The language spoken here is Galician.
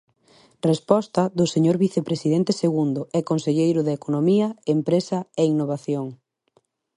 Resposta do señor vicepresidente segundo e conselleiro de Economía, Empresa e Innovación.